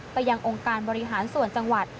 ไปยังองค์การบริหารส่วนจังหวัด